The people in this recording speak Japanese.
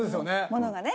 「ものがね」